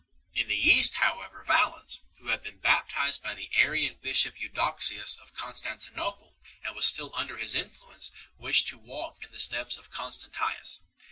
In the East however Valens, who had been baptized by the Arian bishop Eudoxius of Constantinople and was still under his influence, wished to walk in the steps of Constantius.